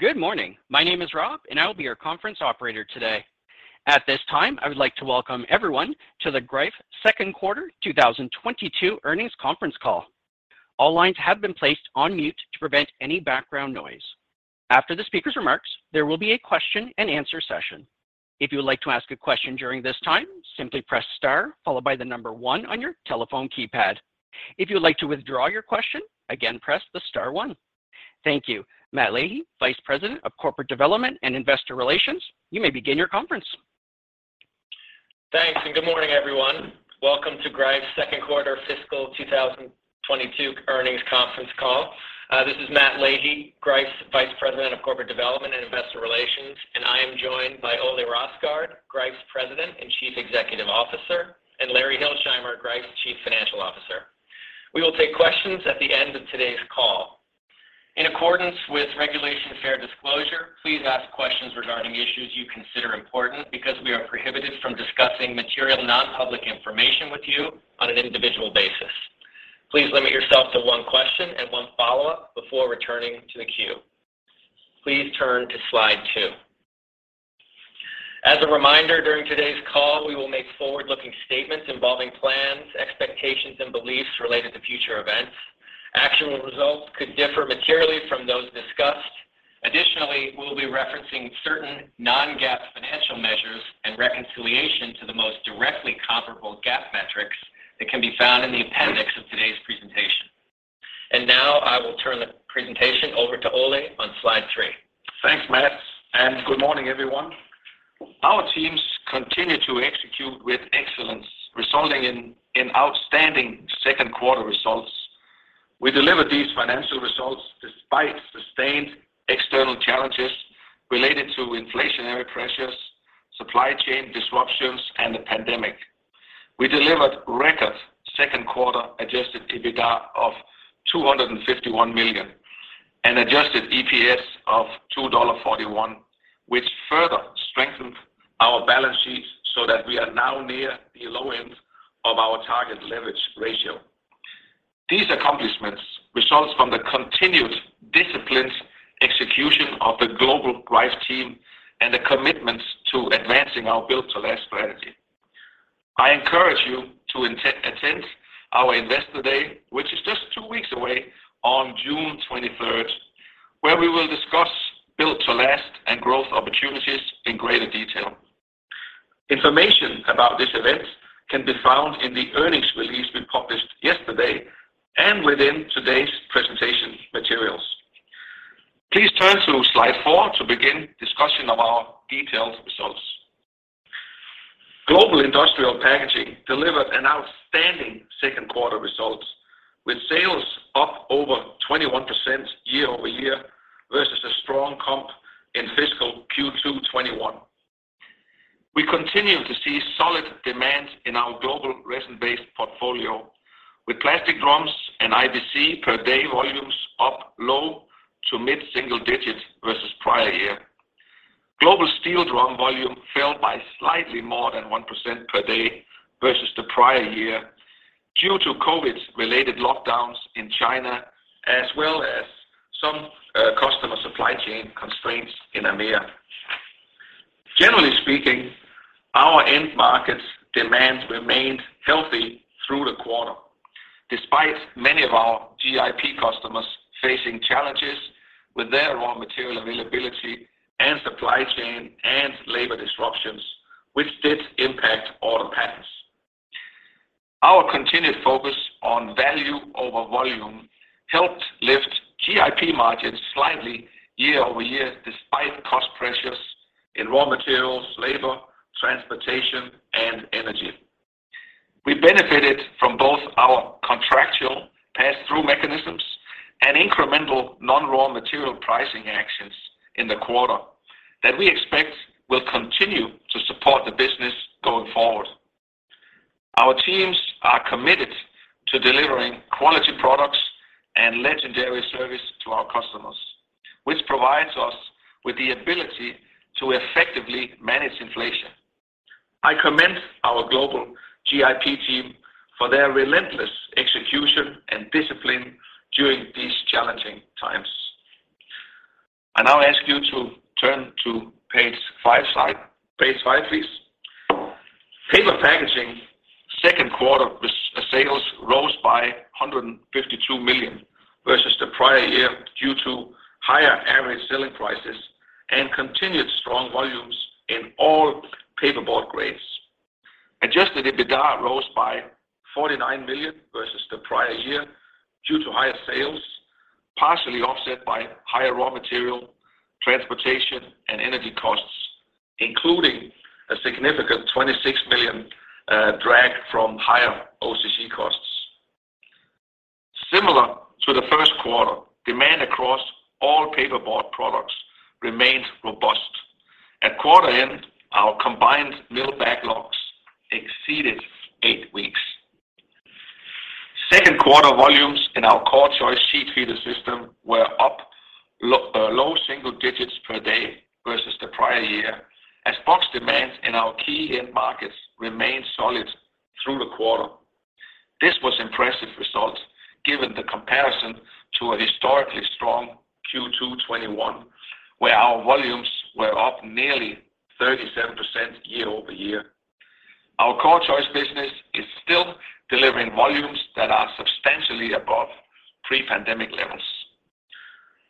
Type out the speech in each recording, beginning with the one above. Good morning. My name is Rob, and I will be your conference operator today. At this time, I would like to welcome everyone to the Greif second quarter 2022 earnings conference call. All lines have been placed on mute to prevent any background noise. After the speaker's remarks, there will be a question-and-answer session. If you would like to ask a question during this time, simply press star followed by the number one on your telephone keypad. If you would like to withdraw your question, again, press the star-one. Thank you. Matt Leahy, Vice President of Corporate Development and Investor Relations, you may begin your conference. Thanks, and good morning, everyone. Welcome to Greif's second quarter fiscal 2022 earnings conference call. This is Matt Leahy, Greif's Vice President of Corporate Development and Investor Relations, and I am joined by Ole Rosgaard, Greif's President and Chief Executive Officer, and Larry Hilsheimer, Greif's Chief Financial Officer. We will take questions at the end of today's call. In accordance with Regulation Fair Disclosure, please ask questions regarding issues you consider important because we are prohibited from discussing material non-public information with you on an individual basis. Please limit yourself to one question and one follow-up before returning to the queue. Please turn to slide two. As a reminder, during today's call, we will make forward-looking statements involving plans, expectations, and beliefs related to future events. Actual results could differ materially from those discussed. Additionally, we'll be referencing certain non-GAAP financial measures and reconciliation to the most directly comparable GAAP metrics that can be found in the appendix of today's presentation. Now, I will turn the presentation over to Ole on slide three. Thanks, Matt, and good morning, everyone. Our teams continue to execute with excellence, resulting in outstanding second quarter results. We delivered these financial results despite sustained external challenges related to inflationary pressures, supply chain disruptions, and the pandemic. We delivered record second quarter adjusted EBITDA of $251 million and adjusted EPS of $2.41, which further strengthened our balance sheets so that we are now near the low end of our target leverage ratio. These accomplishments result from the continued disciplined execution of the global Greif team and the commitments to advancing our Build to Last strategy. I encourage you to attend our Investor Day, which is just two weeks away on June 23rd, where we will discuss Build to Last and growth opportunities in greater detail. Information about this event can be found in the earnings release we published yesterday and within today's presentation materials. Please turn to slide four to begin discussion of our detailed results. Global Industrial Packaging delivered an outstanding second quarter results, with sales up over 21% year-over-year versus a strong comp in fiscal Q2 2021. We continue to see solid demand in our global resin-based portfolio with plastic drums and IBC per day volumes up low to mid-single digits versus prior year. Global steel drum volume fell by slightly more than 1% per day versus the prior year due to COVID-related lockdowns in China as well as some customer supply chain constraints in EMEA. Generally speaking, our end markets demands remained healthy through the quarter, despite many of our GIP customers facing challenges with their raw material availability and supply chain and labor disruptions, which did impact order patterns. Our continued focus on value over volume helped lift GIP margins slightly year-over-year despite cost pressures in raw materials, labor, transportation, and energy. We benefited from both our contractual passthrough mechanisms and incremental non-raw material pricing actions in the quarter that we expect will continue to support the business going forward. Our teams are committed to delivering quality products and legendary service to our customers, which provides us with the ability to effectively manage inflation. I commend our global GIP team for their relentless execution and discipline during these challenging times. I now ask you to turn to page five slide. Page five, please. Paper packaging second quarter sales rose by $152 million versus the prior year due to higher average selling prices and continued strong volumes in all paperboard grades. Adjusted EBITDA rose by $49 million versus the prior year due to higher sales, partially offset by higher raw material, transportation, and energy costs, including a significant $26 million drag from higher OCC costs. Similar to the first quarter, demand across all paperboard products remained robust. At quarter end, our combined mill backlogs exceeded 8 weeks. Second quarter volumes in our core CorrChoice sheet feeder system were up low single digits per day versus the prior year as box demands in our key end markets remained solid through the quarter. This was impressive result given the comparison to a historically strong Q2 2021, where our volumes were up nearly 37% year-over-year. Our core CorrChoice business is still delivering volumes that are substantially above pre-pandemic levels.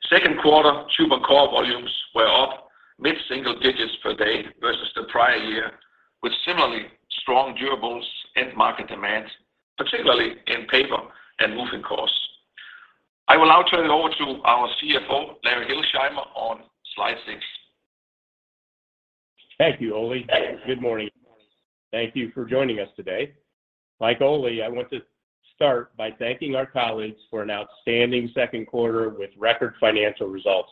Second quarter tube and core volumes were up mid-single digits per day versus the prior year, with similarly strong durables end market demand, particularly in paper and roofing cores. I will now turn it over to our CFO, Larry Hilsheimer, on slide 6. Thank you, Ole. Good morning. Thank you for joining us today. Like Ole, I want to start by thanking our colleagues for an outstanding second quarter with record financial results.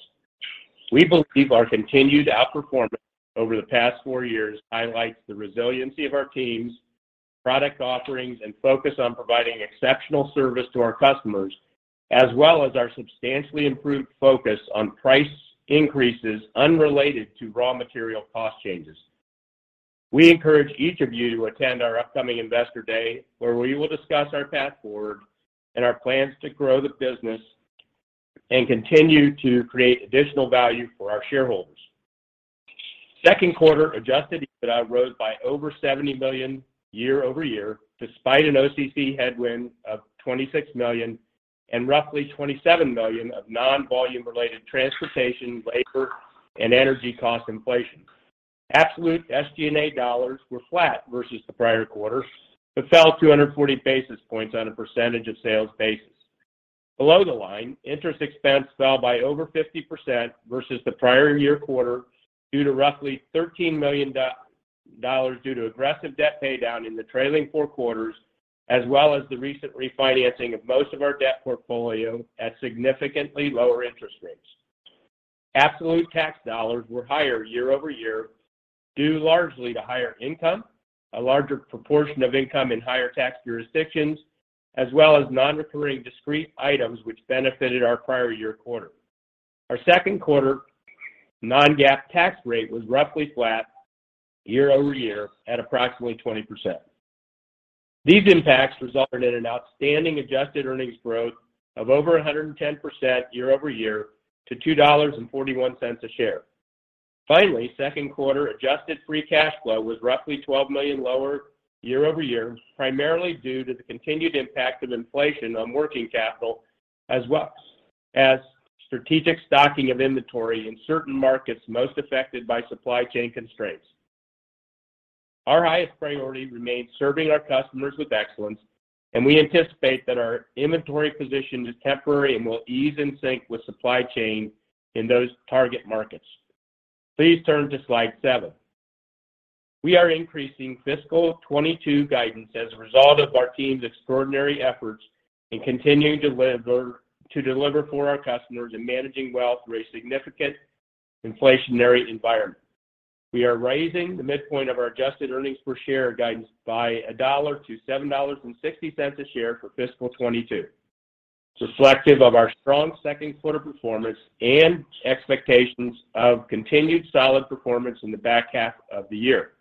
We believe our continued outperformance over the past four years highlights the resiliency of our teams, product offerings, and focus on providing exceptional service to our customers, as well as our substantially improved focus on price increases unrelated to raw material cost changes. We encourage each of you to attend our upcoming Investor Day, where we will discuss our path forward and our plans to grow the business and continue to create additional value for our shareholders. Second quarter adjusted EBITDA rose by over $70 million year-over-year, despite an OCC headwind of $26 million and roughly $27 million of non-volume related transportation, labor, and energy cost inflation. Absolute SG&A dollars were flat versus the prior quarter, but fell 240 basis points on a percentage of sales basis. Below the line, interest expense fell by over 50% versus the prior year quarter due to roughly $13 million due to aggressive debt pay down in the trailing four quarters, as well as the recent refinancing of most of our debt portfolio at significantly lower interest rates. Absolute tax dollars were higher year-over-year, due largely to higher income, a larger proportion of income in higher tax jurisdictions, as well as non-recurring discrete items which benefited our prior year quarter. Our second quarter non-GAAP tax rate was roughly flat year-over-year at approximately 20%. These impacts resulted in an outstanding adjusted earnings growth of over 110% year-over-year to $2.41 a share. Finally, second quarter adjusted free cash flow was roughly $12 million lower year-over-year, primarily due to the continued impact of inflation on working capital as well as strategic stocking of inventory in certain markets most affected by supply chain constraints. Our highest priority remains serving our customers with excellence, and we anticipate that our inventory position is temporary and will ease in sync with supply chain in those target markets. Please turn to slide seven. We are increasing fiscal 2022 guidance as a result of our team's extraordinary efforts in continuing to deliver for our customers in managing well through a significant inflationary environment. We are raising the midpoint of our adjusted earnings per share guidance by $1 to $7.60 a share for fiscal 2022. It's reflective of our strong second quarter performance and expectations of continued solid performance in the back half of the year.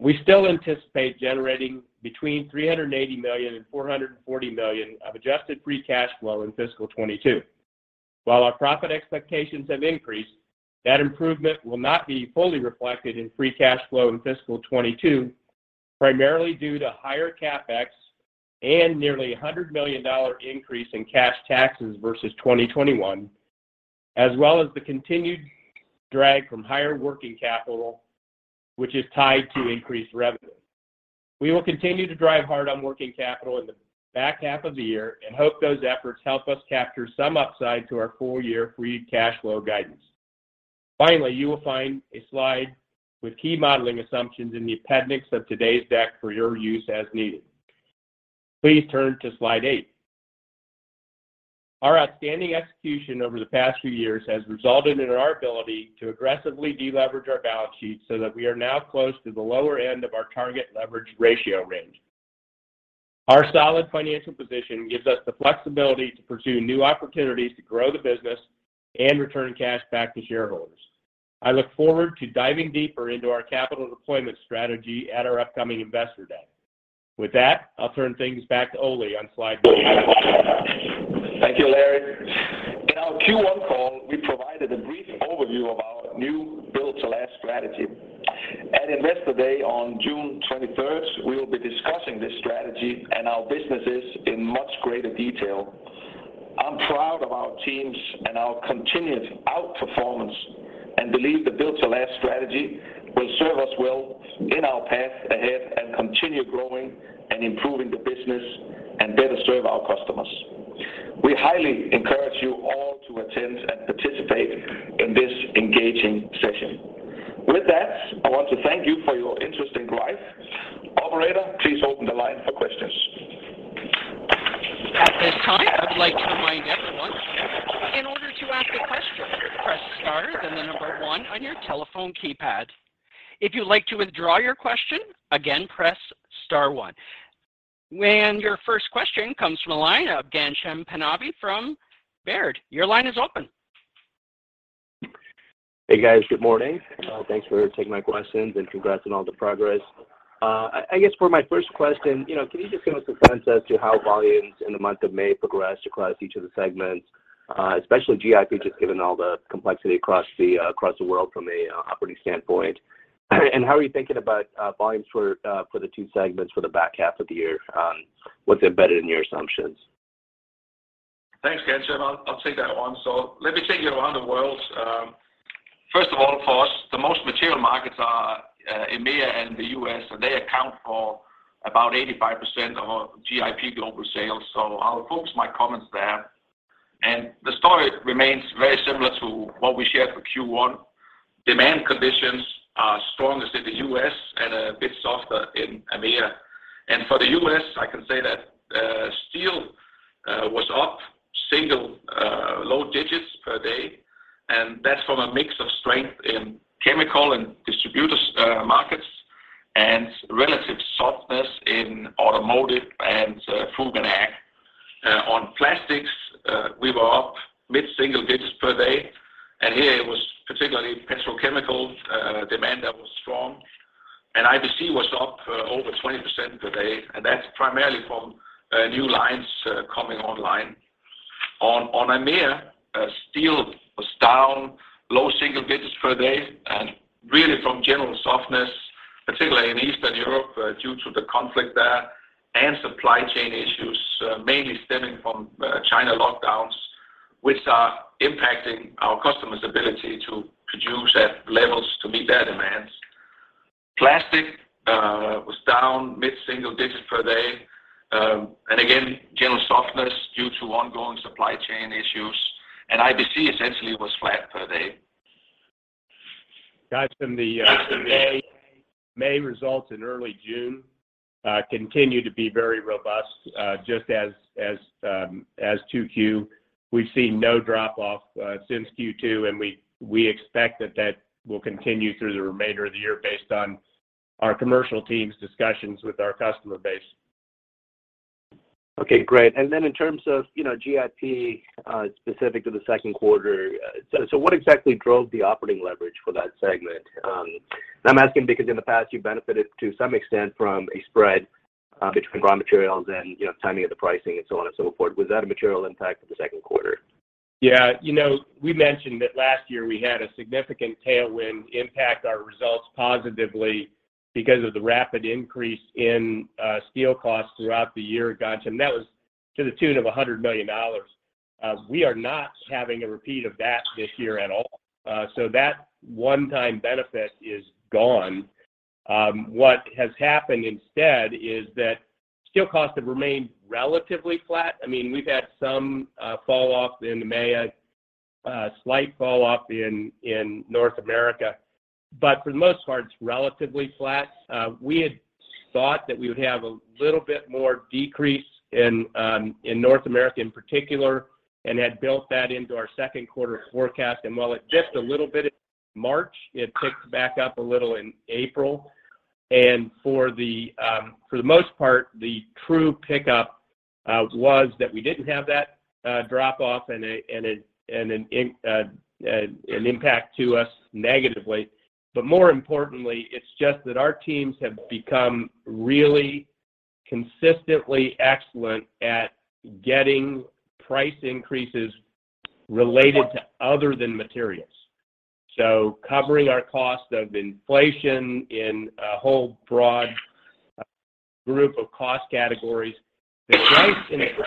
We still anticipate generating between $380 million and $440 million of adjusted free cash flow in fiscal 2022. While our profit expectations have increased, that improvement will not be fully reflected in free cash flow in fiscal 2022, primarily due to higher CapEx and nearly $100 million increase in cash taxes versus 2021, as well as the continued drag from higher working capital, which is tied to increased revenue. We will continue to drive hard on working capital in the back half of the year and hope those efforts help us capture some upside to our full year free cash flow guidance. Finally, you will find a slide with key modeling assumptions in the appendix of today's deck for your use as needed. Please turn to slide eight. Our outstanding execution over the past few years has resulted in our ability to aggressively deleverage our balance sheet so that we are now close to the lower end of our target leverage ratio range. Our solid financial position gives us the flexibility to pursue new opportunities to grow the business and return cash back to shareholders. I look forward to diving deeper into our capital deployment strategy at our upcoming Investor Day. With that, I'll turn things back to Ole on slide nine. Thank you, Larry. In our Q1 call, we provided a brief overview of our new Build to Last strategy. At Investor Day on June 23rd, we will be discussing this strategy and our businesses in much greater detail. I'm proud of our teams and our continued outperformance and believe the Build to Last strategy will serve us well in our path ahead and continue growing and improving the business and better serve our customers. We highly encourage you all to attend and participate in this engaging session. With that, I want to thank you for your interest in Greif. Operator, please open the line for questions. At this time, I would like to remind everyone, in order to ask a question, press star, then the number one on your telephone keypad. If you'd like to withdraw your question, again, press star-one. Your first question comes from the line of Ghansham Panjabi from Baird. Your line is open. Hey guys, good morning. Thanks for taking my questions and congrats on all the progress. I guess for my first question, you know, can you just give us a sense as to how volumes in the month of May progressed across each of the segments, especially GIP, just given all the complexity across the world from a operating standpoint? How are you thinking about volumes for the two segments for the back half of the year, what's embedded in your assumptions? Thanks, Ghansham. I'll take that one. Let me take you around the world. First of all, for us, the most material markets are EMEA and the U.S., and they account for about 85% of our GIP global sales. I'll focus my comments there. The story remains very similar to what we shared for Q1. Demand conditions are strongest in the U.S. And a bit softer in EMEA. For the U.S., I can say that steel was up low single digits per day, and that's from a mix of strength in chemical and distributors markets and relative softness in automotive and food and ag. On plastics, we were up mid-single digits per day, and here it was particularly petrochemical demand that was strong. IBC was up over 20% per day, and that's primarily from new lines coming online. On EMEA, steel was down low single digits per day, and really from general softness, particularly in Eastern Europe due to the conflict there and supply chain issues mainly stemming from China lockdowns, which are impacting our customers' ability to produce at levels to meet their demands. Plastic was down mid-single digits per day. Again, general softness due to ongoing supply chain issues, and IBC essentially was flat per day. Guys, in the May results in early June continue to be very robust, just as 2Q. We've seen no drop off since Q2, and we expect that will continue through the remainder of the year based on our commercial team's discussions with our customer base. Okay, great. Then in terms of, you know, GIP, specific to the second quarter, so what exactly drove the operating leverage for that segment? I'm asking because in the past you benefited to some extent from a spread, between raw materials and, you know, timing of the pricing and so on and so forth. Was that a material impact for the second quarter? Yeah. You know, we mentioned that last year we had a significant tailwind impact our results positively because of the rapid increase in steel costs throughout the year, Ghansham. That was to the tune of $100 million. We are not having a repeat of that this year at all. So that one-time benefit is gone. What has happened instead is that steel costs have remained relatively flat. I mean, we've had some fall off in EMEA, a slight fall off in North America, but for the most part, it's relatively flat. We had thought that we would have a little bit more decrease in North America in particular and had built that into our second quarter forecast. While it dipped a little bit in March, it ticked back up a little in April. For the most part, the true pickup was that we didn't have that drop off and an impact to us negatively. But more importantly, it's just that our teams have become really consistently excellent at getting price increases related to other than materials. Covering our cost of inflation in a whole broad group of cost categories, the price increases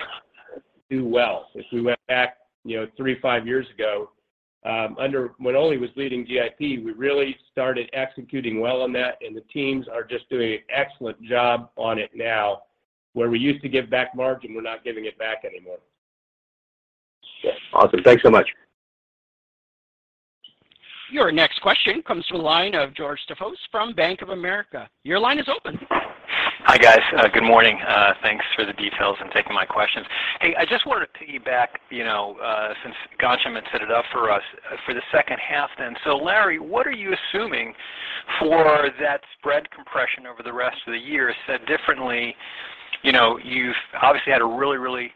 do well. If we went back, you know, three, five years ago, under when Ole was leading GIP, we really started executing well on that, and the teams are just doing an excellent job on it now, where we used to give back margin, we're not giving it back anymore. Yeah. Awesome. Thanks so much. Your next question comes from the line of George Staphos from Bank of America. Your line is open. Hi, guys. Good morning. Thanks for the details and taking my questions. Hey, I just wanted to piggyback, you know, since Ghansham had set it up for us, for the second half then. Larry, what are you assuming for that spread compression over the rest of the year? Said differently, you know, you've obviously had a really,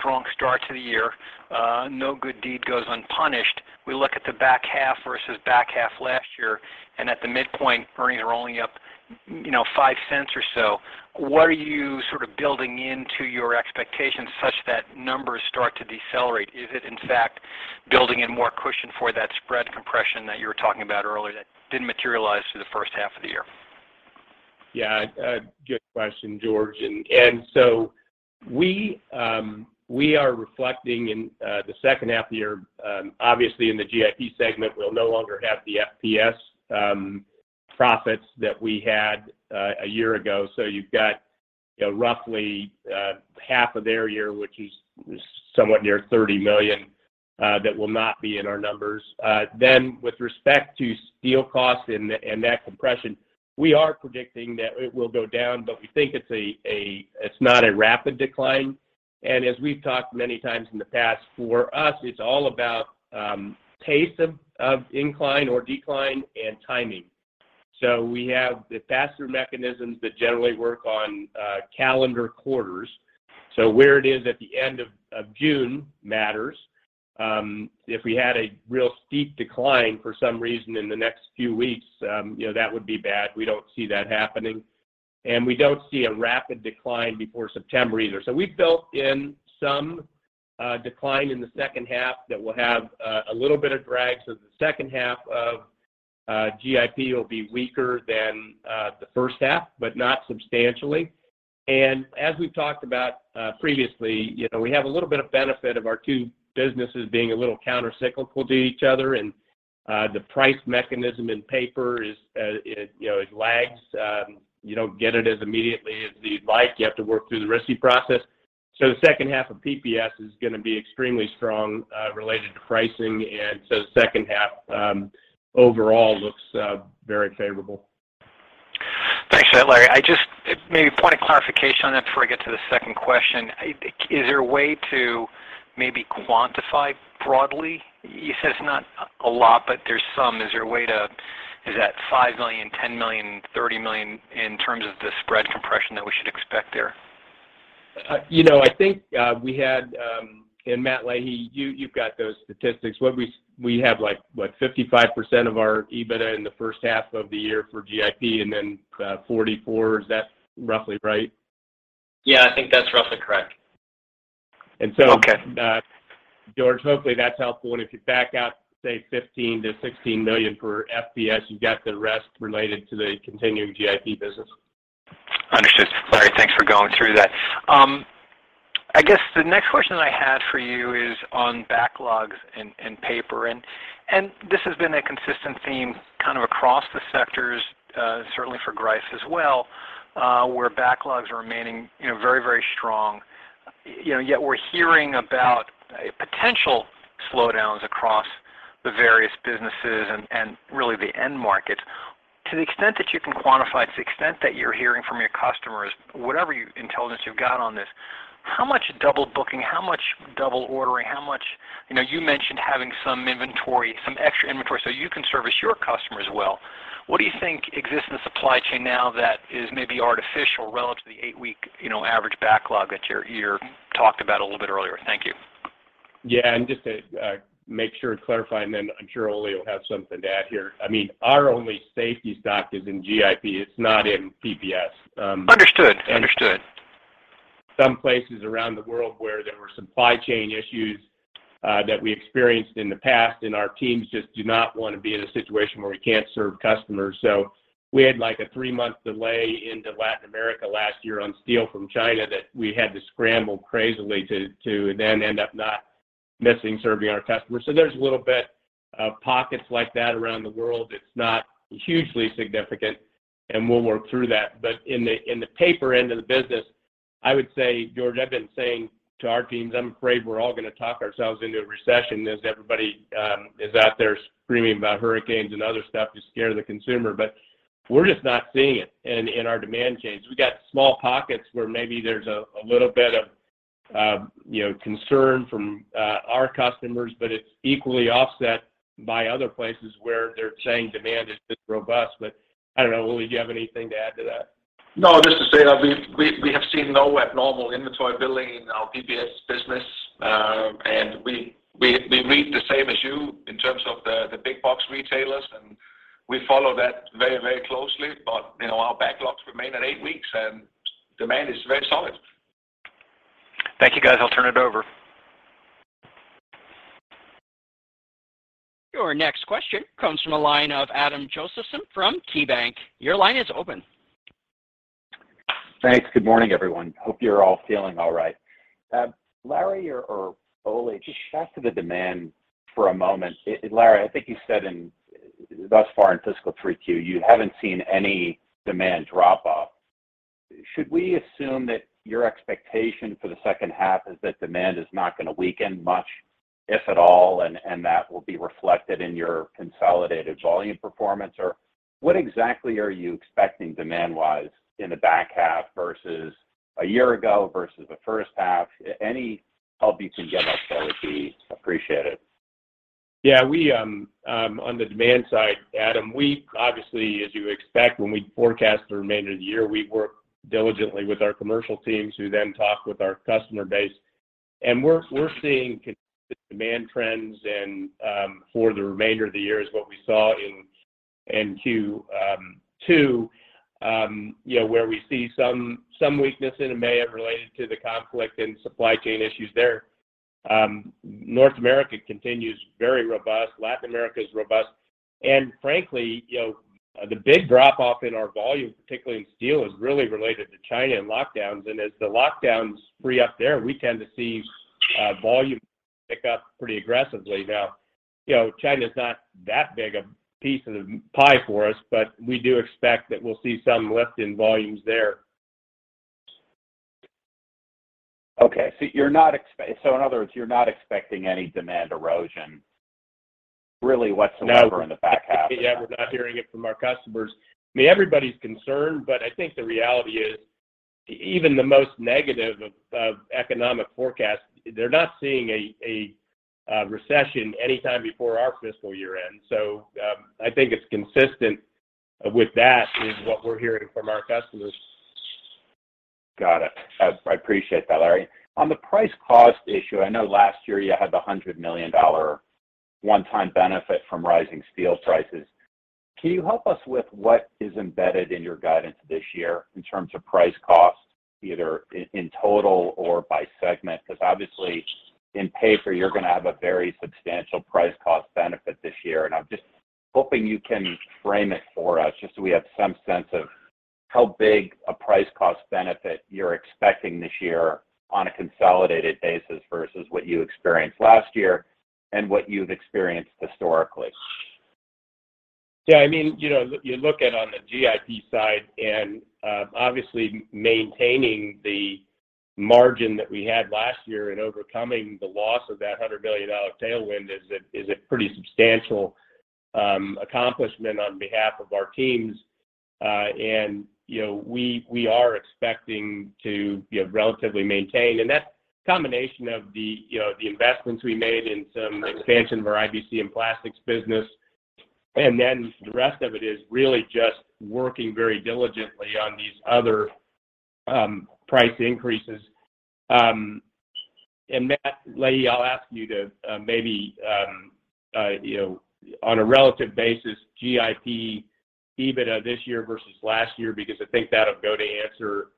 strong start to the year. No good deed goes unpunished. We look at the back half versus back half last year, and at the midpoint, earnings are only up, you know, $0.05 or so. What are you sort of building into your expectations such that numbers start to decelerate? Is it in fact building in more cushion for that spread compression that you were talking about earlier that didn't materialize through the first half of the year? Yeah. Good question, George. We are reflecting in the second half of the year, obviously in the GIP segment, we'll no longer have the FPS profits that we had a year ago. You've got, you know, roughly half of their year, which is somewhat near $30 million that will not be in our numbers. With respect to steel costs and that compression, we are predicting that it will go down, but we think it's not a rapid decline. As we've talked many times in the past, for us it's all about pace of incline or decline and timing. We have the faster mechanisms that generally work on calendar quarters. Where it is at the end of June matters. If we had a real steep decline for some reason in the next few weeks, you know, that would be bad. We don't see that happening, and we don't see a rapid decline before September either. We built in some decline in the second half that will have a little bit of drag. The second half of GIP will be weaker than the first half, but not substantially. As we've talked about previously, you know, we have a little bit of benefit of our two businesses being a little countercyclical to each other. The price mechanism in paper is, it, you know, it lags. You don't get it as immediately as you'd like. You have to work through the RISI process. The second half of PPS is gonna be extremely strong related to pricing. The second half overall looks very favorable. Thanks for that, Larry. Maybe a point of clarification on that before I get to the second question. Is there a way to maybe quantify broadly? You said it's not a lot, but there's some. Is that $5 million, $10 million, $30 million in terms of the spread compression that we should expect there? You know, I think Matt Leahy, you've got those statistics. What we have, like, what, 55% of our EBITDA in the first half of the year for GIP and then 44%. Is that roughly right? Yeah. I think that's roughly correct. And so George, hopefully that's helpful. If you back out, say, $15 million-$16 million for FPS, you've got the rest related to the continuing GIP business. Understood. Larry, thanks for going through that. I guess the next question I had for you is on backlogs and paper. This has been a consistent theme kind of across the sectors, certainly for Greif as well, where backlogs are remaining, you know, very, very strong. You know, yet we're hearing about potential slowdowns across the various businesses and really the end markets. To the extent that you can quantify, to the extent that you're hearing from your customers, whatever intelligence you've got on this, how much double booking, how much double ordering, how much. You know, you mentioned having some inventory, some extra inventory so you can service your customers well. What do you think exists in the supply chain now that is maybe artificial relative to the 8-week, you know, average backlog that you talked about a little bit earlier? Thank you. Yeah. Just to make sure to clarify, and then I'm sure Ole will have something to add here. I mean, our only safety stock is in GIP. It's not in PPS. Understood. Some places around the world where there were supply chain issues that we experienced in the past, and our teams just do not wanna be in a situation where we can't serve customers. We had, like, a three-month delay into Latin America last year on steel from China that we had to scramble crazily to then end up not missing serving our customers. There's a little bit of pockets like that around the world. It's not hugely significant, and we'll work through that. In the paper end of the business, I would say, George, I've been saying to our teams, I'm afraid we're all gonna talk ourselves into a recession as everybody is out there screaming about hurricanes and other stuff to scare the consumer. We're just not seeing it in our demand chains. We got small pockets where maybe there's a little bit of, you know, concern from our customers, but it's equally offset by other places where they're saying demand is just robust. I don't know. Ole, do you have anything to add to that? No, just to say that we have seen no abnormal inventory building in our PPS business. We read the same as you in terms of the big box retailers, and we follow that very, very closely. You know, our backlogs remain at eight weeks, and demand is very solid. Thank you, guys. I'll turn it over. Your next question comes from the line of Adam Josephson from KeyBank. Your line is open. Thanks. Good morning, everyone. Hope you're all feeling all right. Larry or Ole, just back to the demand for a moment. Larry, I think you said thus far in fiscal 3Q, you haven't seen any demand drop off. Should we assume that your expectation for the second half is that demand is not gonna weaken much, if at all, and that will be reflected in your consolidated volume performance? What exactly are you expecting demand-wise in the back half versus a year ago versus the first half? Any help you can give us there would be appreciated. Yeah. We on the demand side, Adam, we obviously, as you expect when we forecast the remainder of the year, we work diligently with our commercial teams who then talk with our customer base. We're seeing consistent demand trends and for the remainder of the year is what we saw in Q2. You know, where we see some weakness in May related to the conflict and supply chain issues there. North America continues very robust. Latin America is robust. Frankly, you know, the big drop off in our volume, particularly in steel, is really related to China and lockdowns. As the lockdowns free up there, we tend to see volume pick up pretty aggressively. Now, you know, China's not that big a piece of the pie for us, but we do expect that we'll see some lift in volumes there. Okay. In other words, you're not expecting any demand erosion really whatsoever in the back half. Yeah. We're not hearing it from our customers. I mean, everybody's concerned, but I think the reality is even the most negative of economic forecasts, they're not seeing a recession any time before our fiscal year ends. I think it's consistent with that is what we're hearing from our customers. Got it. I appreciate that, Larry. On the price cost issue, I know last year you had the $100 million one-time benefit from rising steel prices. Can you help us with what is embedded in your guidance this year in terms of price cost, either in total or by segment? Because obviously in paper you're gonna have a very substantial price cost benefit this year, and I'm just hoping you can frame it for us just so we have some sense of how big a price cost benefit you're expecting this year on a consolidated basis versus what you experienced last year and what you've experienced historically. Yeah. I mean, you know, you look at on the GIP side and, obviously maintaining the margin that we had last year and overcoming the loss of that $100 million tailwind is a pretty substantial accomplishment on behalf of our teams. You know, we are expecting to, you know, relatively maintain. That's a combination of the, you know, the investments we made in some expansion of our IBC and plastics business, and then the rest of it is really just working very diligently on these other price increases. Matt Leahy, I'll ask you to maybe, you know, on a relative basis, GIP EBITDA this year versus last year, because I think that'll go to answer,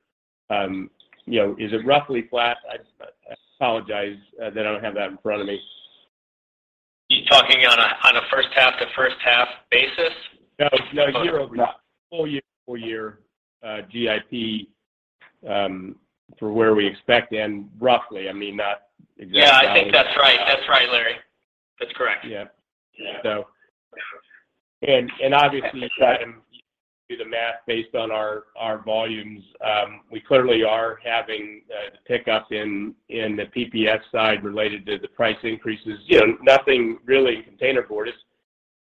you know, is it roughly flat? I apologize that I don't have that in front of me. You talking on a first half to first half basis? No. Year over year. Yeah. Full year to full year, GIP for where we expect and roughly, I mean, not exact science. Yeah, I think that's right. That's right, Larry. That's correct. Yeah. Yeah. Obviously, you can do the math based on our volumes. We clearly are having the pickup in the PPS side related to the price increases. You know, nothing really in containerboard. It's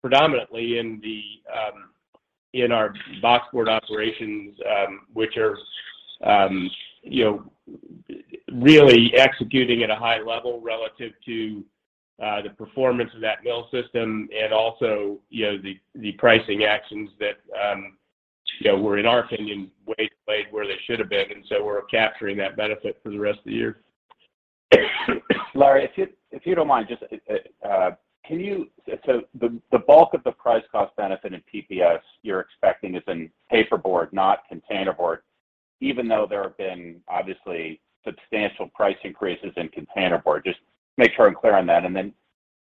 predominantly in our boxboard operations, which are, you know, really executing at a high level relative to the performance of that mill system and also, you know, the pricing actions that, you know, were in our opinion way late where they should have been. We're capturing that benefit for the rest of the year. Larry, if you don't mind, the bulk of the price cost benefit in PPS you're expecting is in paperboard, not containerboard, even though there have been obviously substantial price increases in containerboard. Just make sure I'm clear on that. Then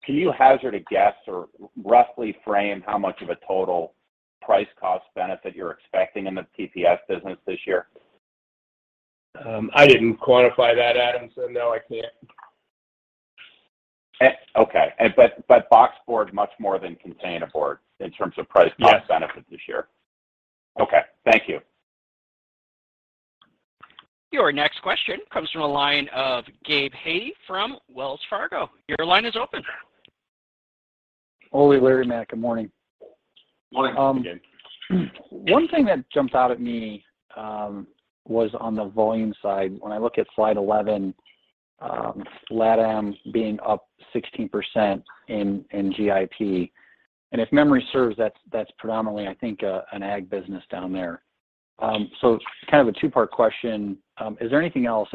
can you hazard a guess or roughly frame how much of a total price cost benefit you're expecting in the PPS business this year? I didn't quantify that, Adam, so no, I can't. boxboard much more than containerboard in terms of price. Yes Cost benefit this year. Okay. Thank you. Your next question comes from the line of Gabe Hajde from Wells Fargo. Your line is open. Ole, Larry, Matt, good morning. Morning. Good morning, Gabe. One thing that jumped out at me was on the volume side. When I look at slide 11, LatAm being up 16% in GIP, and if memory serves, that's predominantly, I think, an ag business down there. So kind of a two-part question.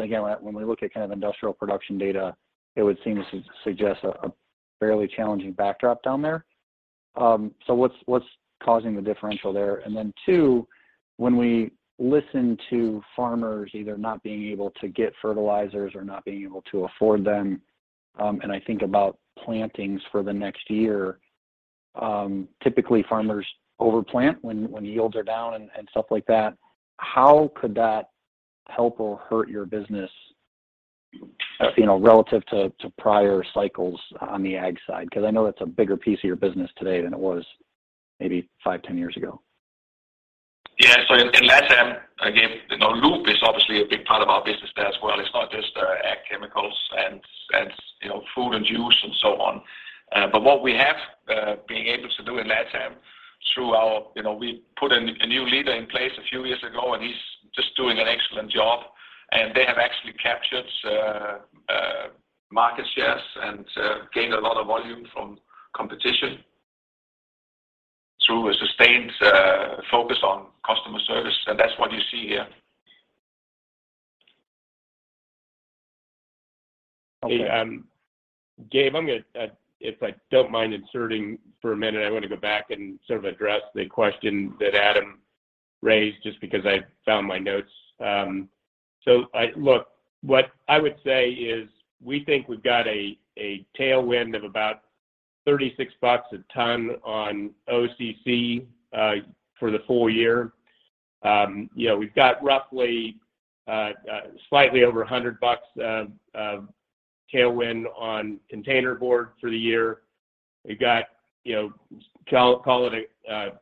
Again, when we look at kind of industrial production data, it would seem to suggest a fairly challenging backdrop down there. So what's causing the differential there? And then two, when we listen to farmers either not being able to get fertilizers or not being able to afford them, and I think about plantings for the next year, typically farmers over-plant when yields are down and stuff like that. How could that help or hurt your business, you know, relative to prior cycles on the ag side? Because I know that's a bigger piece of your business today than it was maybe five, 10 years ago. Yeah. In LATAM, again, you know, lube is obviously a big part of our business there as well. It's not just ag chemicals and you know, food and juice and so on. What we have been able to do in LATAM. You know, we put a new leader in place a few years ago, and he's just doing an excellent job, and they have actually captured market shares and gained a lot of volume from competition through a sustained focus on customer service, and that's what you see here. Okay. Hey, Gabe, if I don't mind inserting for a minute, I want to go back and sort of address the question that Adam raised, just because I found my notes. What I would say is we think we've got a tailwind of about $36 a ton on OCC for the full year. You know, we've got roughly slightly over $100 of tailwind on containerboard for the year. We've got, you know, call it a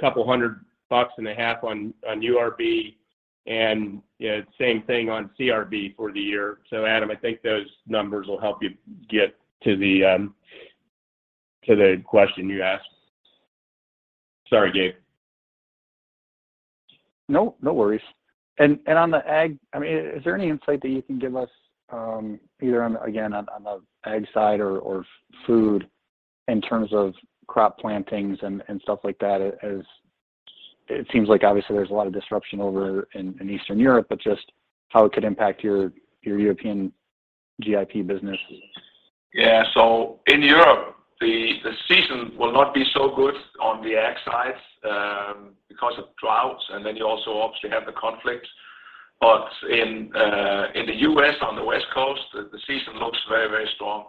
couple hundred bucks and a half on URB and, you know, same thing on CRB for the year. Adam, I think those numbers will help you get to the question you asked. Sorry, Gabe. No, no worries. On the ag, I mean, is there any insight that you can give us, either on, again, on the ag side or food in terms of crop plantings and stuff like that? It seems like obviously there's a lot of disruption over in Eastern Europe, but just how it could impact your European GIP business. Yeah. In Europe, the season will not be so good on the ag side, because of droughts, and then you also obviously have the conflict. In the U.S. on the West Coast, the season looks very, very strong.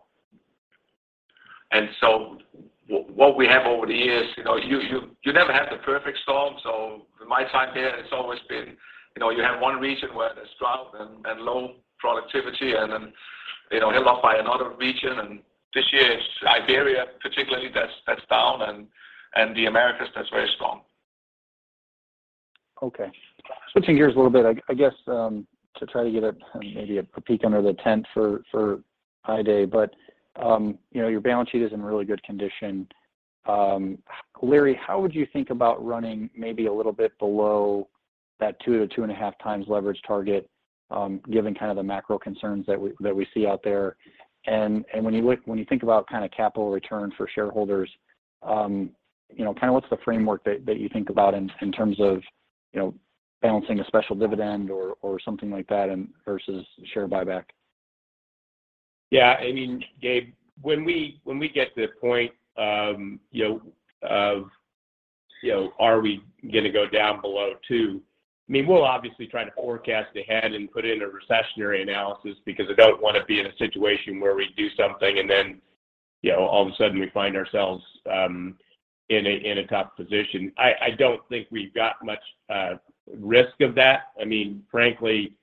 What we have over the years, you know, you never have the perfect storm. In my time here, it's always been, you know, you have one region where there's drought and low productivity and then, you know, held up by another region. This year it's Iberia particularly that's down and the Americas that's very strong. Okay. Switching gears a little bit, I guess, to try to get a maybe a peek under the tent for Investor Day, but you know, your balance sheet is in really good condition. Larry, how would you think about running maybe a little bit below that 2x-2.5x leverage target, given kind of the macro concerns that we see out there? When you think about kind of capital return for shareholders, you know, kind of what's the framework that you think about in terms of, you know, balancing a special dividend or something like that and versus share buyback? Yeah. I mean, Gabe, when we get to the point, you know, of, you know, are we gonna go down below 2x? I mean, we'll obviously try to forecast ahead and put in a recessionary analysis because I don't wanna be in a situation where we do something and then, you know, all of a sudden we find ourselves in a tough position. I don't think we've got much risk of that. I mean, frankly,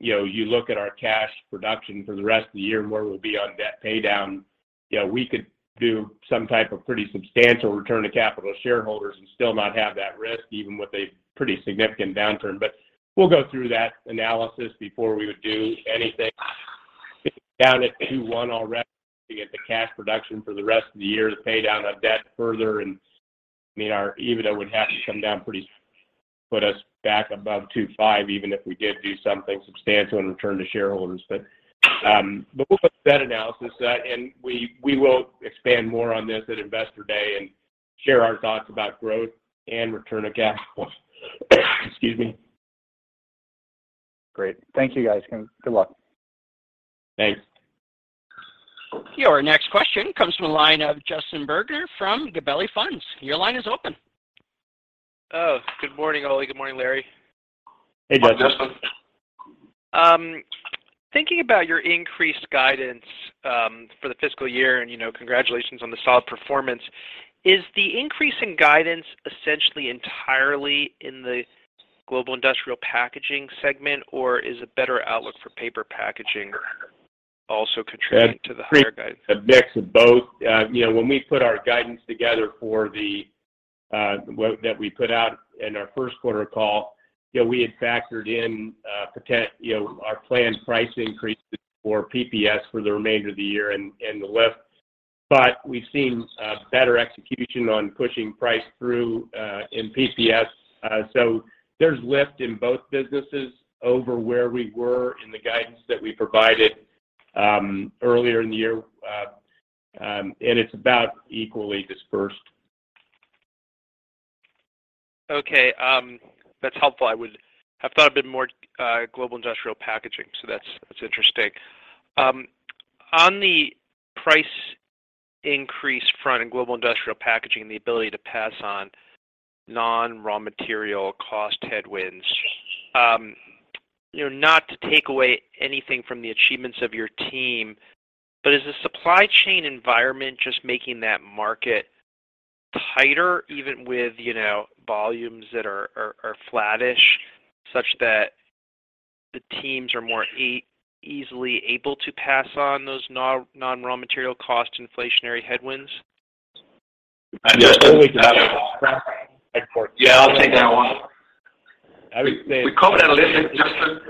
you know, you look at our cash production for the rest of the year and where we'll be on debt pay down, you know, we could do some type of pretty substantial return to capital shareholders and still not have that risk even with a pretty significant downturn. We'll go through that analysis before we would do anything down at 2.1x already to get the cash production for the rest of the year to pay down our debt further, and I mean, our EBITDA would have to come down pretty low to put us back above 2.5x even if we did do something substantial in return to shareholders. We'll put that analysis out and we will expand more on this at Investor Day and share our thoughts about growth and return of capital. Excuse me. Great. Thank you, guys, and good luck. Thanks. Your next question comes from the line of Justin Bergner from Gabelli Funds. Your line is open. Oh, good morning, Ole. Good morning, Larry. Hey, Justin. Thinking about your increased guidance for the fiscal year, and, you know, congratulations on the solid performance. Is the increase in guidance essentially entirely in the global industrial packaging segment, or is a better outlook for paper packaging also contributing to the higher guide? A mix of both. You know, when we put our guidance together for the that we put out in our first quarter call, you know, we had factored in you know, our planned price increases for PPS for the remainder of the year and the lift. We've seen better execution on pushing price through in PPS. There's lift in both businesses over where we were in the guidance that we provided earlier in the year. It's about equally dispersed. Okay. That's helpful. I would have thought a bit more global industrial packaging, so that's interesting. On the price increase front in global industrial packaging and the ability to pass on non-raw material cost headwinds, you know, not to take away anything from the achievements of your team, but is the supply chain environment just making that market tighter even with, you know, volumes that are flattish such that the teams are more easily able to pass on those non-raw material cost inflationary headwinds? Yeah. I'll take that one. We call that a little bit, Justin.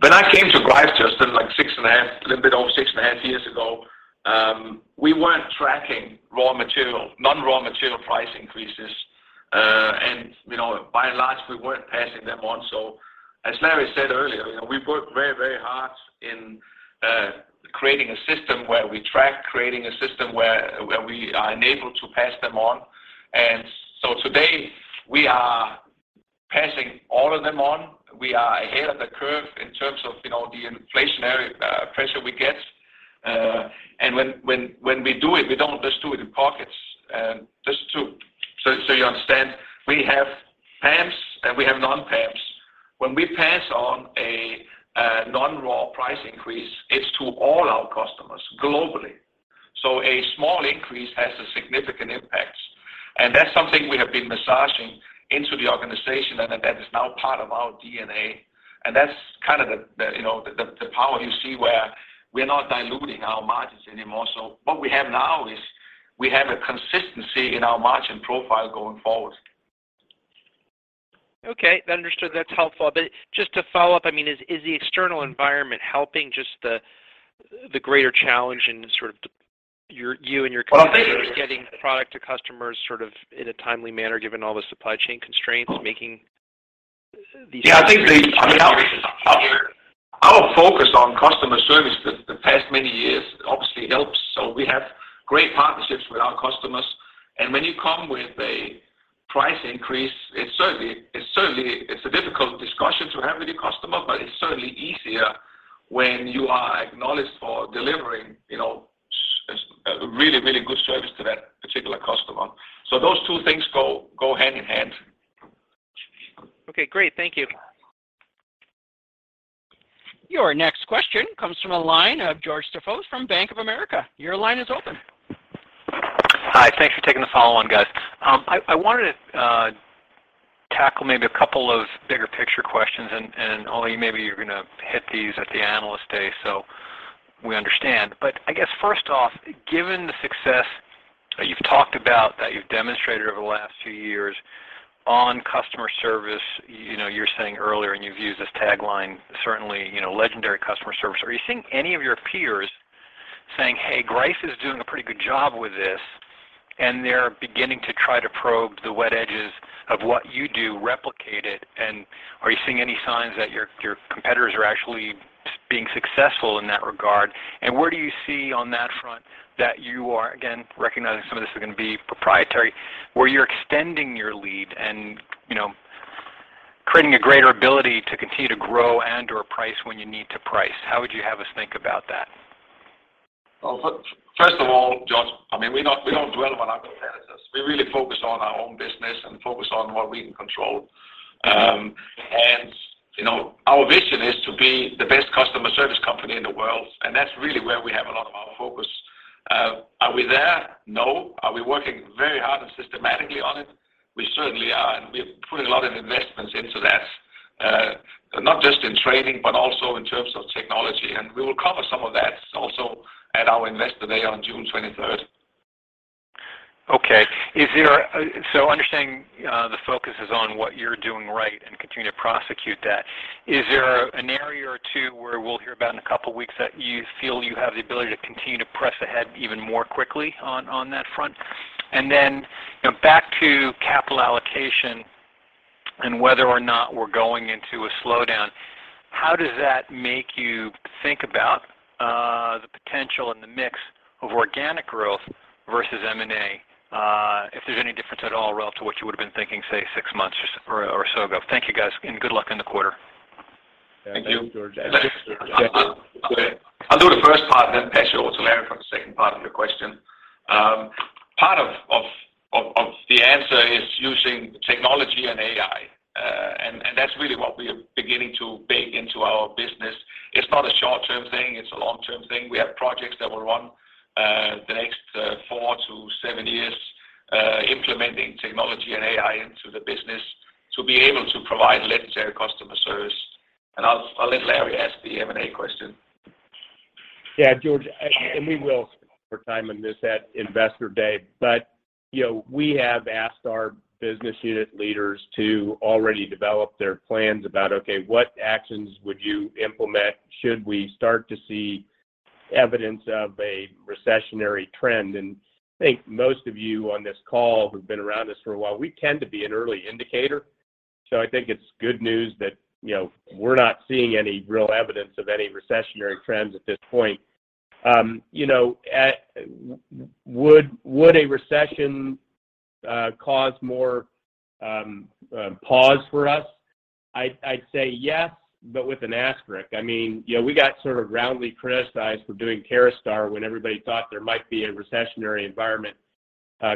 When I came to Greif, Justin, a little bit over 6.5 years ago, we weren't tracking raw material, non-raw material price increases. You know, by and large, we weren't passing them on. As Larry said earlier, you know, we've worked very hard in creating a system where we track and are enabled to pass them on. Today we are passing all of them on. We are ahead of the curve in terms of, you know, the inflationary pressure we get. When we do it, we don't just do it in pockets. You understand, we have PAMs and we have non-PAMs. When we pass on a non-raw price increase, it's to all our customers globally. A small increase has a significant impact. That's something we have been massaging into the organization and that is now part of our DNA, and that's kind of the, you know, the power you see where we're not diluting our margins anymore. What we have now is we have a consistency in our margin profile going forward. Okay. That understood. That's helpful. Just to follow up, I mean, is the external environment helping just the greater challenge and sort of you and your competitors getting product to customers sort of in a timely manner, given all the supply chain constraints, making these? Yeah, I think, I mean, our focus on customer service the past many years obviously helps. We have great partnerships with our customers. When you come with a price increase, it's certainly a difficult discussion to have with your customer, but it's certainly easier when you are acknowledged for delivering, you know, a really, really good service to that particular customer. Those two things go hand in hand. Okay, great. Thank you. Your next question comes from the line of George Staphos from Bank of America. Your line is open. Hi. Thanks for taking the follow on, guys. I wanted to tackle maybe a couple of bigger picture questions and Ole, maybe you're going to hit these at the Investor Day, so we understand. But I guess first off, given the success you've talked about, that you've demonstrated over the last few years on customer service, you know, you were saying earlier and you've used this tagline, certainly, you know, legendary customer service. Are you seeing any of your peers saying, "Hey, Greif is doing a pretty good job with this," and they're beginning to try to probe the wet edges of what you do, replicate it. Are you seeing any signs that your competitors are actually being successful in that regard? Where do you see on that front that you are, again, recognizing some of this is gonna be proprietary, where you're extending your lead and, you know, creating a greater ability to continue to grow and/or price when you need to price? How would you have us think about that? Well, first of all, George, I mean, we don't dwell on our competitors. We really focus on our own business and focus on what we can control. You know, our vision is to be the best customer service company in the world, and that's really where we have a lot of our focus. Are we there? No. Are we working very hard and systematically on it? We certainly are, and we're putting a lot of investments into that, not just in training, but also in terms of technology, and we will cover some of that also at our Investor Day on June 23rd. Understanding the focus is on what you're doing right and continue to prosecute that. Is there an area or two where we'll hear about in a couple of weeks that you feel you have the ability to continue to press ahead even more quickly on that front? Then, you know, back to capital allocation and whether or not we're going into a slowdown, how does that make you think about the potential and the mix of organic growth versus M&A, if there's any difference at all relative to what you would've been thinking, say, six months or so ago. Thank you, guys, and good luck in the quarter. Thank you. Thank you, George. I'll do the first part then pass you over to Larry for the second part of your question. Part of the answer is using technology and AI, and that's really what we are beginning to bake into our business. It's not a short-term thing, it's a long-term thing. We have projects that will run the next four to seven years implementing technology and AI into the business to be able to provide legendary customer service. I'll let Larry answer the M&A question. Yeah, George, we will spend more time on this at Investor Day. You know, we have asked our business unit leaders to already develop their plans about, okay, what actions would you implement should we start to see evidence of a recessionary trend? I think most of you on this call who've been around us for a while, we tend to be an early indicator. I think it's good news that, you know, we're not seeing any real evidence of any recessionary trends at this point. You know, would a recession cause more pause for us? I'd say yes, but with an asterisk. I mean, you know, we got sort of roundly criticized for doing Caraustar when everybody thought there might be a recessionary environment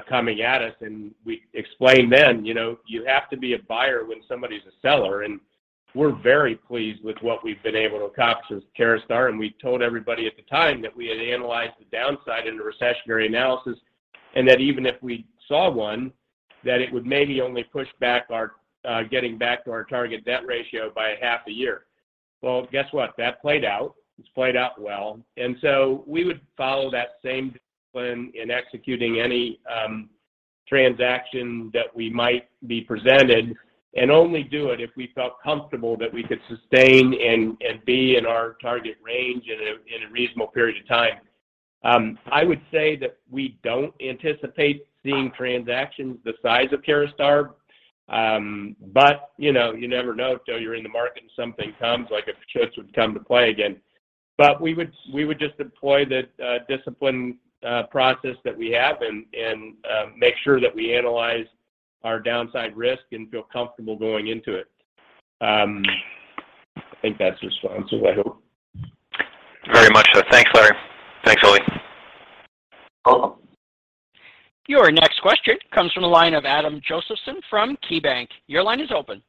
coming at us, and we explained then, you know, you have to be a buyer when somebody's a seller. We're very pleased with what we've been able to accomplish with Caraustar, and we told everybody at the time that we had analyzed the downside in a recessionary analysis, and that even if we saw one, that it would maybe only push back our getting back to our target debt ratio by half a year. Well, guess what? That played out. It's played out well. We would follow that same discipline in executing any transaction that we might be presented and only do it if we felt comfortable that we could sustain and be in our target range in a reasonable period of time. I would say that we don't anticipate seeing transactions the size of Caraustar. You know, you never know until you're in the market and something comes, like if CHEP would come to play again. We would just deploy the discipline process that we have and make sure that we analyze our downside risk and feel comfortable going into it. I think that's responsive, I hope. Very much so. Thanks, Larry. Thanks, Ole. Welcome. Your next question comes from the line of Adam Josephson from KeyBank. Your line is open.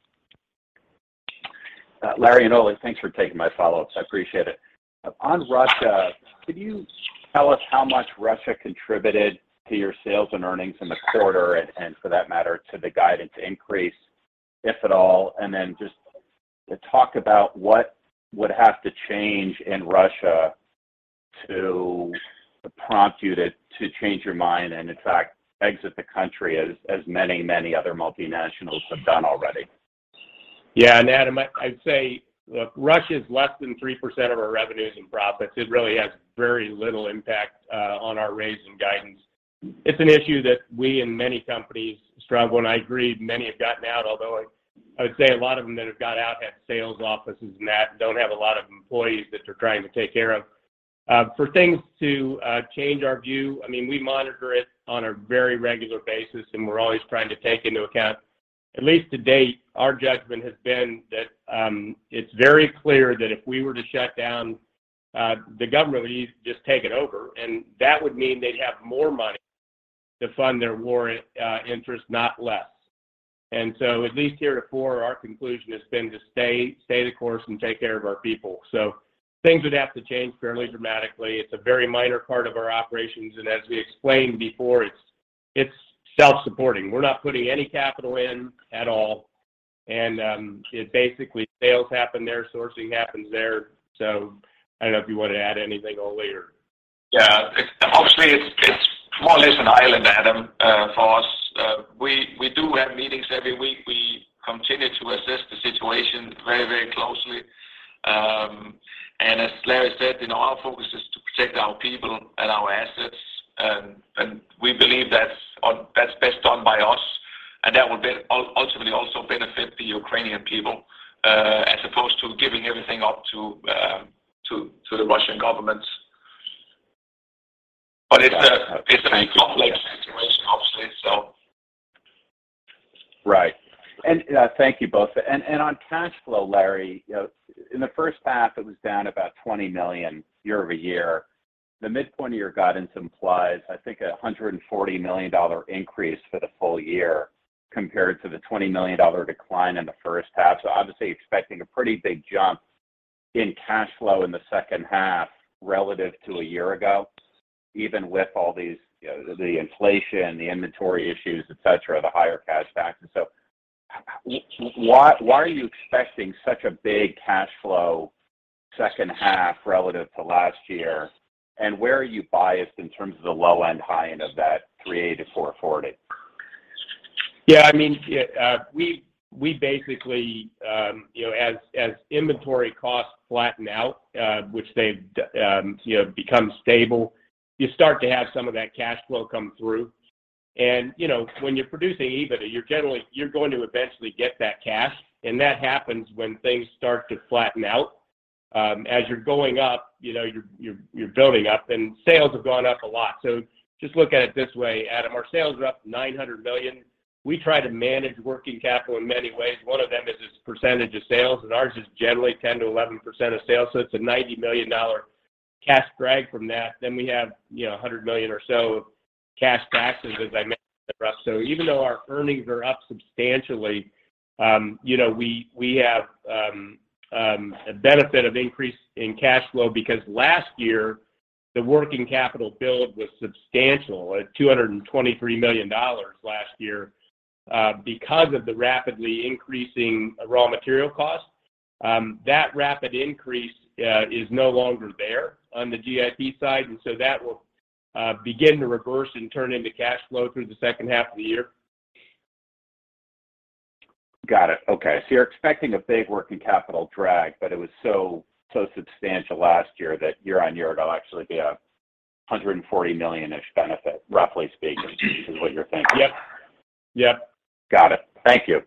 Larry and Ole, thanks for taking my follow-ups. I appreciate it. On Russia, could you tell us how much Russia contributed to your sales and earnings in the quarter and, for that matter, to the guidance increase, if at all? Just to talk about what would have to change in Russia to prompt you to change your mind and in fact, exit the country as many other multinationals have done already. Yeah. Adam, I'd say, look, Russia's less than 3% of our revenues and profits. It really has very little impact on our results and guidance. It's an issue that we and many companies struggle with, and I agree many have gotten out, although I would say a lot of them that have got out have sales offices and that don't have a lot of employees that they're trying to take care of. For things to change our view, I mean, we monitor it on a very regular basis, and we're always trying to take into account. At least to date, our judgment has been that it's very clear that if we were to shut down, the government would just take it over, and that would mean they'd have more money to fund their war effort, not less. At least heretofore, our conclusion has been to stay the course and take care of our people. Things would have to change fairly dramatically. It's a very minor part of our operations, and as we explained before, it's self-supporting. We're not putting any capital in at all. It basically, sales happen there, sourcing happens there. I don't know if you want to add anything, Ole. Yeah. Obviously, it's more or less an island, Adam, for us. We do have meetings every week. We continue to assess the situation very closely. As Larry said, you know, our focus is to protect our people and our assets. We believe that's best done by us, and that will ultimately also benefit the Ukrainian people, as opposed to giving everything up to the Russian government. Thank you. It's a complex situation, obviously, so. Right. Thank you both. On cash flow, Larry, you know, in the first half, it was down about $20 million year-over-year. The midpoint of your guidance implies, I think, a $140 million increase for the full year compared to the $20 million decline in the first half. Obviously expecting a pretty big jump in cash flow in the second half relative to a year ago, even with all these, you know, the inflation, the inventory issues, et cetera, the higher cash taxes. Why are you expecting such a big cash flow second half relative to last year? Where are you biased in terms of the low-end, high-end of that $380 million-$440 million? Yeah, I mean, you know, as inventory costs flatten out, which they've become stable, you start to have some of that cash flow come through. You know, when you're producing EBITDA, you're generally going to eventually get that cash, and that happens when things start to flatten out. As you're going up, you know, you're building up, and sales have gone up a lot. Just look at it this way, Adam. Our sales are up $900 million. We try to manage working capital in many ways. One of them is this percentage of sales, and ours is generally 10%-11% of sales. It's a $90 million cash drag from that. We have, you know, $100 million or so of cash taxes, as I mentioned. Even though our earnings are up substantially, you know, we have a benefit of increase in cash flow because last year, the working capital build was substantial at $223 million last year, because of the rapidly increasing raw material costs. That rapid increase is no longer there on the GIP side, and so that will begin to reverse and turn into cash flow through the second half of the year. Got it. Okay. You're expecting a big working capital drag, but it was so substantial last year that year on year it'll actually be a $140 million-ish benefit, roughly speaking is what you're thinking. Yep. Yep. Got it. Thank you.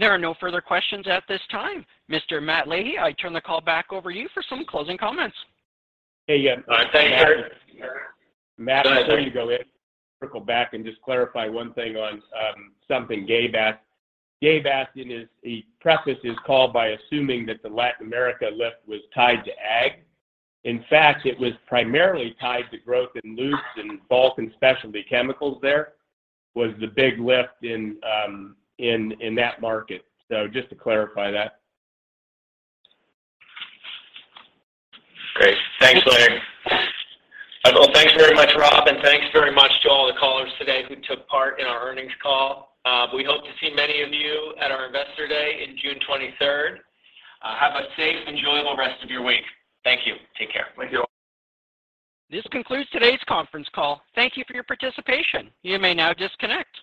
There are no further questions at this time. Mr. Matt Leahy, I turn the call back over to you for some closing comments. Hey. Thank you. Matt, before you go, let me circle back and just clarify one thing on something Gabe asked. Gabe asked. He prefaced his call by assuming that the Latin America lift was tied to ag. In fact, it was primarily tied to growth in lubes and bulk and specialty chemicals. There was the big lift in that market. Just to clarify that. Great. Thanks, Larry. Well, thanks very much, Rob, and thanks very much to all the callers today who took part in our earnings call. We hope to see many of you at our Investor Day in June 23rd. Have a safe, enjoyable rest of your week. Thank you. Take care. Thank you. This concludes today's conference call. Thank you for your participation. You may now disconnect.